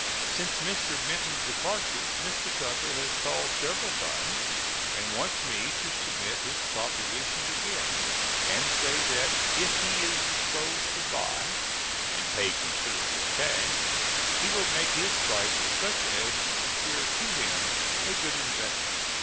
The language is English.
Since Mr. Benton's departure, Mr. Tucker has called several times and wants me to submit his propositions again, and say that if he is disposed to buy, and pay considerable cash, he will make his prices such as to secure to him a good investment.